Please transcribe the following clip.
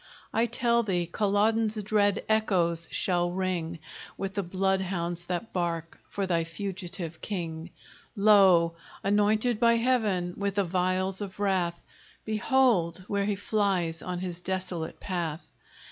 I tell thee, Culloden's dread echoes shall ring With the bloodhounds that bark for thy fugitive king. Lo! anointed by Heaven with the vials of wrath, Behold, where he flies on his desolate path!